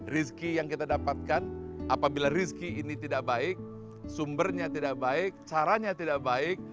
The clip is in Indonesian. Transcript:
rizki yang kita dapatkan apabila rizki ini tidak baik sumbernya tidak baik caranya tidak baik